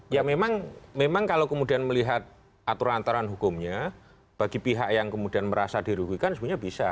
ya memang kalau kemudian melihat aturan aturan hukumnya bagi pihak yang kemudian merasa dirugikan sebenarnya bisa